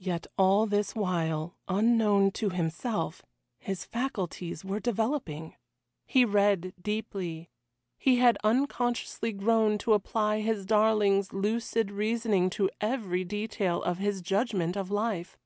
Yet all this while, unknown to himself, his faculties were developing. He read deeply. He had unconsciously grown to apply his darling's lucid reasoning to every detail of his judgment of life.